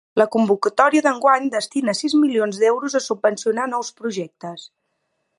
La convocatòria d'enguany destina sis milions d'euros a subvencionar nous projectes.